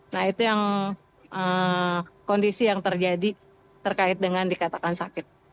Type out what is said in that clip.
nah itu yang kondisi yang terjadi terkait dengan dikatakan sakit